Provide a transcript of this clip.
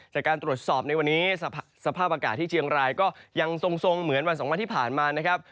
จากการตรวจสอบในวันนี้สภาพอากาศที่เชียงรายก็ยังทรงเหมือนวันสองวันที่ผ่านมานะครับ